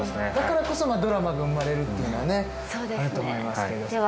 だからこそドラマが生まれるっていうのはねあると思いますけど。